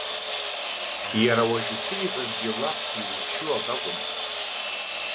Иара уажә исеиҳәазгьы лафс иузшьо ак акәым.